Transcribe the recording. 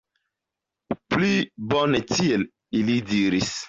Pli bone tiel, ili diris.